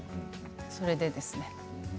それでですね。